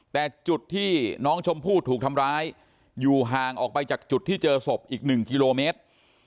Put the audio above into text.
แต่จุดที่น้องชมพู่ถูกทำร้ายอยู่ห่างออกไปจากจุดที่เจอศพอีก๑กิโลเมตร